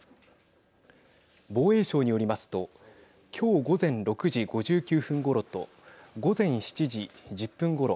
防衛省によりますと今日午前６時５９分ごろと午前７時１０分ごろ